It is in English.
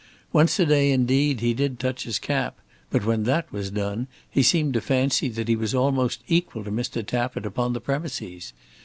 Once a day indeed he did touch his cap, but when that was done he seemed to fancy that he was almost equal to Mr. Tappitt upon the premises.